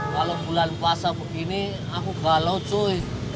kalau bulan pasar begini aku galau cuy